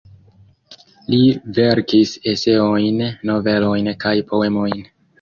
Li verkis eseojn, novelojn kaj poemojn.